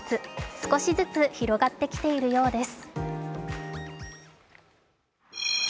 少しずつ広がってきているようです。